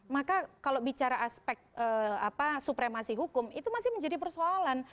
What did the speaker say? maka kalau bicara aspek supremasi hukum itu masih menjadi persoalan